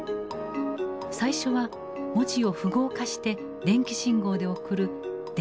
最初は文字を符号化して電気信号で送る電信だった。